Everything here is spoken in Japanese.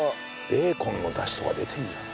ベーコンのだしとか出てるんじゃない？